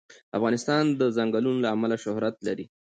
افغانستان د چنګلونه له امله شهرت لري.